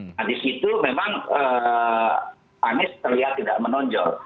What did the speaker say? nah di situ memang anies terlihat tidak menonjol